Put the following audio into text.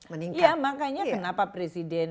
meningkat makanya kenapa presiden